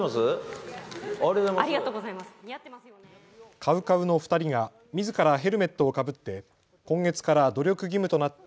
ＣＯＷＣＯＷの２人がみずからヘルメットをかぶって今月から努力義務となった